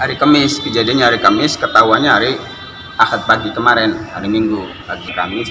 hari kemis kejadiannya hari kemis ketahuan nyari ahad pagi kemarin hari minggu pagi kamis